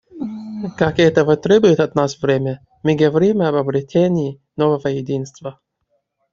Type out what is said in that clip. Как этого требует от нас время, мы говорим об обретении нового единства.